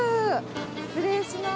失礼します。